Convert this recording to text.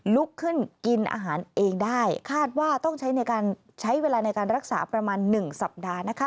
ลุกขึ้นกินอาหารเองได้คาดว่าต้องใช้ในการใช้เวลาในการรักษาประมาณ๑สัปดาห์นะคะ